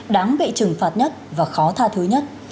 đáng bị trừng phạt nhất và khó tha thứ nhất